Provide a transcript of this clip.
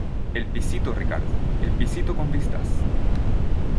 el pisito, Ricardo , el pisito con vistas.